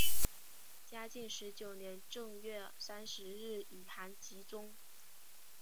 嘉靖十九年正月三十日以寒疾终。